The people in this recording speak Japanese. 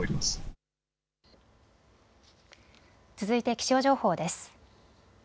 続いて気象情報です。